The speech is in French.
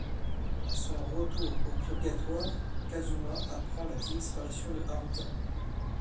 À son retour au purgatoire, Kazuma apprend la disparition de Haruka.